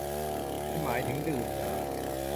คุณหมายถึง ดื่มเหรอ ?